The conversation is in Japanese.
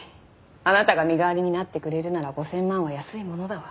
あなたが身代わりになってくれるなら５０００万は安いものだわ。